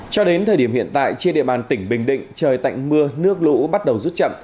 cho đến thời điểm hiện tại trên địa bàn tỉnh bình định trời tạnh mưa nước lũ bắt đầu rút chậm